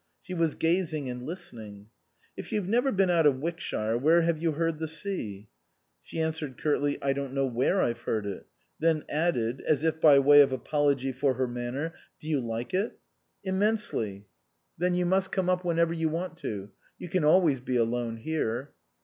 She was gazing and listening. " If you've never been out of Wickshire, where have you heard the sea ?" She answered curtly, " I don't know where I've heard it"; then added, as if by way of apology for her manner, " Do you like it ?"" Immensely." 47 THE COSMOPOLITAN " Then you must come up whenever you want to. You can always be alone here."